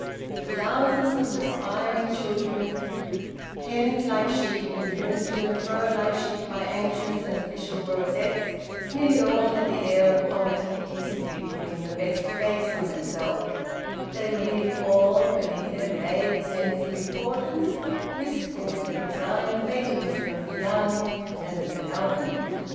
The thousands of perspiring children, penned like sheep, and driven to and fro like sheep by anxious and officious rosettes, nearly all had the air of poverty decently putting the best face on itself; they were nearly all, beneath their vague sense of importance, wistful with the resigned fatalism of the young and of the governed.